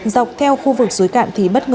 dọc theo khu vực dưới cạn thí bất ngờ